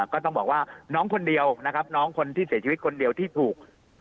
ก็ต้องบอกว่าน้องคนเดียวนะครับน้องคนที่เสียชีวิตคนเดียวที่ถูก